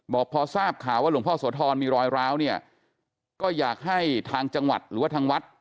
บอกพอทราบข่าวว่าหลวงพ่อโสธรมีรอยร้าวเนี่ยก็อยากให้ทางจังหวัดหรือว่าทางวัด